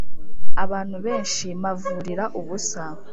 abantu benshi mavurira ubusa